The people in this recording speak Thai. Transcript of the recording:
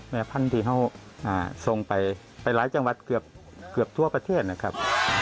พันธุ์ที่เขาส่งไปหลายจังหวัดเกือบทั่วประเทศนะครับ